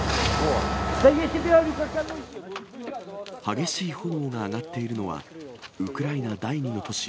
激しい炎が上がっているのは、ウクライナ第２の都市